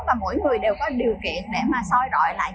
và mỗi người đều có điều kiện để soi rọi